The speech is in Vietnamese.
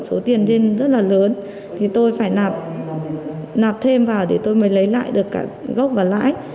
số tiền trên rất là lớn thì tôi phải nạp nạp thêm vào để tôi mới lấy lại được cả gốc và lãi